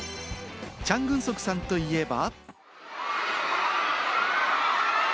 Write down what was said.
チャン・グンソクさんといえば。